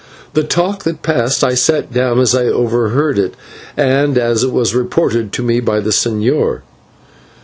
The talk that passed I set down as I overheard it and as it was reported to me by the señor.